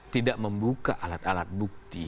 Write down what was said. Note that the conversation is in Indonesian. tidak membuka alat alat bukti